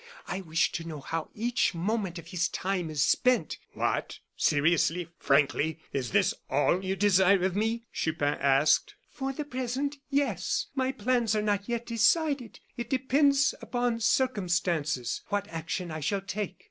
I wish to know how each moment of his time is spent." "What! seriously, frankly, is this all that you desire of me?" Chupin asked. "For the present, yes. My plans are not yet decided. It depends upon circumstances what action I shall take."